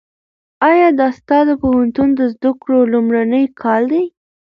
ایا دا ستا د پوهنتون د زده کړو لومړنی کال دی؟